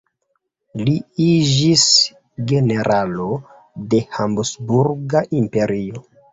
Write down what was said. Li iĝis generalo de Habsburga Imperio.